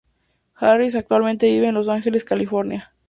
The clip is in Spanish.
Harris actualmente vive en Los Ángeles, California.